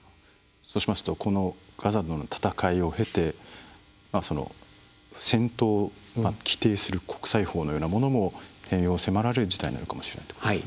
そうしますとこのガザの戦いを経て戦闘を規定する国際法のようなものも変容を迫られる事態なのかもしれないということですね。